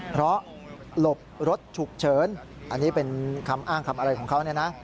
เพราะหลบรถฉุกเฉินอันนี้เป็นคำอ้างคำอะไรของเขาเนี่ยนะ